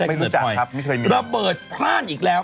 ไม่รู้จักครับไม่เคยมี